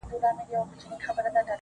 بابولاله.